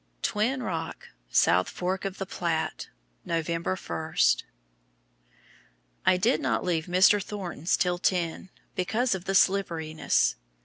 TWIN ROCK, SOUTH FORK OF THE PLATTE, November 1. I did not leave Mr. Thornton's till ten, because of the slipperiness.